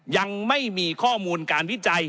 ยังไม่มีข้อมูลการวิจัย